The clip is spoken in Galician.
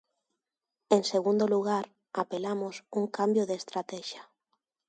En segundo lugar, apelamos a un cambio de estratexia.